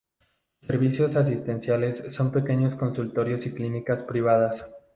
Los servicios asistenciales son pequeños consultorios y clínicas privadas.